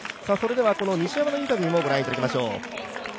西山のインタビューもご覧いただきましょう。